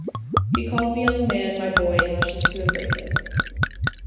He calls the young man "my boy" and rushes to embrace him.